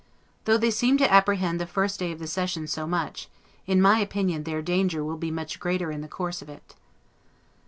Though they seem to apprehend the first day of the session so much, in my opinion their danger will be much greater in the course of it.